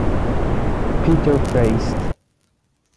Peter Feist.